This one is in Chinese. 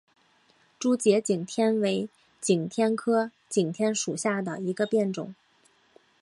珠节景天为景天科景天属下的一个变种。